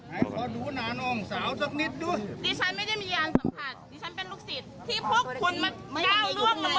ฉะนั้นเป็นลูกศิษย์ที่พวกคุณมันก้าวร่วงไม่เคลื่อน